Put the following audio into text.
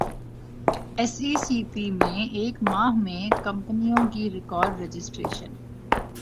S E C P میں ایک ماہ میں کمپنیوں کی ریکارڈرجسٹریشن